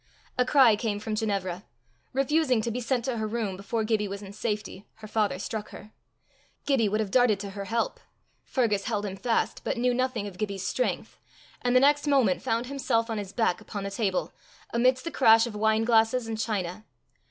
A cry came from Ginevra: refusing to be sent to her room before Gibbie was in safety, her father struck her. Gibbie would have darted to her help. Fergus held him fast, but knew nothing of Gibbie's strength, and the next moment found himself on his back upon the table, amidst the crash of wineglasses and china.